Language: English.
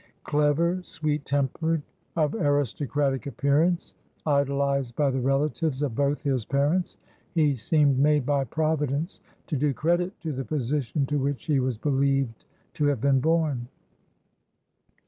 Clever, sweet tempered, of aristocratic appearance, idolized by the relatives of both his parents, he seemed made by Providence to do credit to the position to which he was believed to have been born.